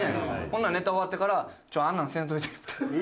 ほんならネタ終わってから「ちょあんなのせんといて」。